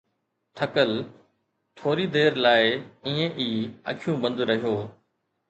ٿڪل، ٿوري دير لاءِ ائين ئي اکيون بند رهيو